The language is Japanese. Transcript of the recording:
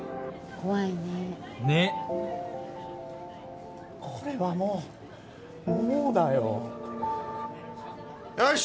ねっこれはもうもうだよよし！